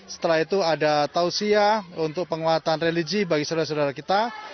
setelah itu ada tausiah untuk penguatan religi bagi saudara saudara kita